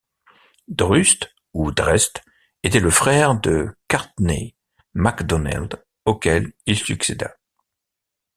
Drust ou Drest était le frère de Gartnait mac Donnel auquel il succéda.